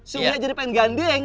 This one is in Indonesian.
soalnya jadi pengen gandeng